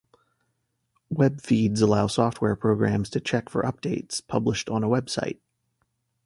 Web feeds allow software programs to check for updates published on a website.